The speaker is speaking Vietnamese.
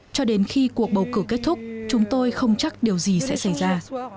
cho đến khi cuộc bầu cử kết thúc chúng tôi không chắc điều gì sẽ xảy ra